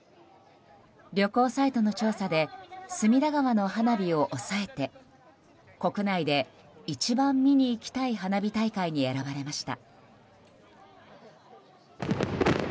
旅行サイトの調査で隅田川の花火を抑えて国内で一番見に行きたい花火大会に選ばれました。